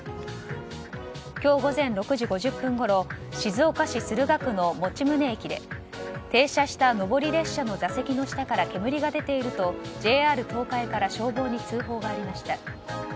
今日午前６時５０分ごろ静岡市駿河区の用宗駅で停車した上り列車の座席の下から煙が出ているとＪＲ東海から消防に通報がありました。